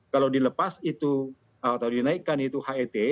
kalau dilepas itu atau dinaikkan itu het